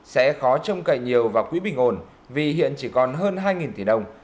sẽ khó trông cậy nhiều vào quỹ bình ổn vì hiện chỉ còn hơn hai tỷ đồng